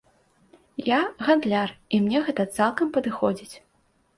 Я гандляр, і мне гэта цалкам падыходзіць.